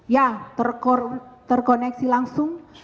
ya terkoneksi langsung